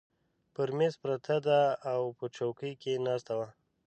پر مېز پرته ده، او په چوکۍ کې ناسته وه.